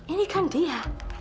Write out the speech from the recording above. ini kan dia